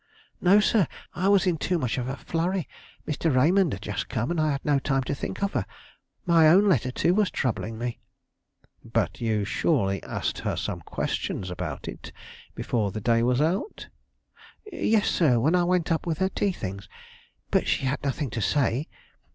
"No, sir; I was in too much of a flurry. Mr. Raymond had just come and I had no time to think of her. My own letter, too, was troubling me." "But you surely asked her some questions about it before the day was out?" "Yes, sir, when I went up with her tea things; but she had nothing to say.